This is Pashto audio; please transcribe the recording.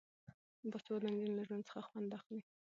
باسواده نجونې له ژوند څخه خوند اخلي.